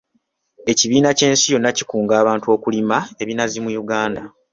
Ekibiina ky'ensi yonna kikunga abantu okulima ebinazi mu Uganda.